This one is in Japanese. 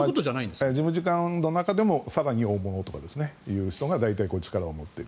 事務次官の中でも更に大物という人が大体、力を持っている。